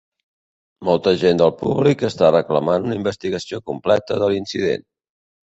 Molta gent del públic està reclamant una investigació completa de l'incident.